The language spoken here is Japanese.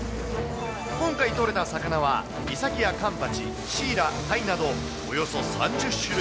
今回、取れた魚は、イサキやカンパチ、シイラ、タイなどおよそ３０種類。